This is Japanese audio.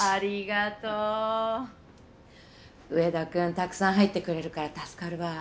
たくさん入ってくれるから助かるわ。